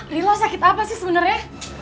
ri lo sakit apa sih sebenernya